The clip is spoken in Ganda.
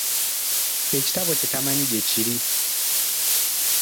Ekitabo kye tamanyi gyekiri!